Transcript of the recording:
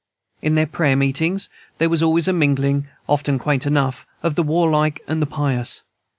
In their prayer meetings there was always a mingling, often quaint enough, of the warlike and the pious.